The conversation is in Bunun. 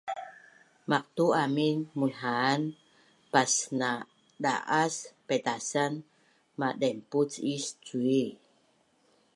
Maqtu amin munhan pasnada’as paitasan madaimpuc is cui